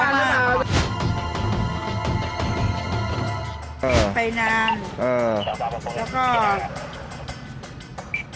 ก็หนูรักเขาค่ะก็ก็เป็นคนดี